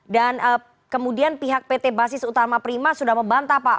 dan kemudian pihak pt basis utama prima sudah membantah pak